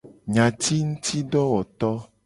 Nyatingutidowoto.